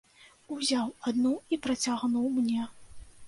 Узяў адну і працягнуў мне.